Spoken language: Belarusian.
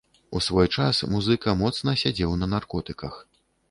У свой час музыка моцна сядзеў на наркотыках.